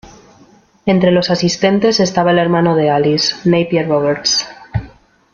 Entre los asistentes estaba el hermano de Alice, Napier Roberts.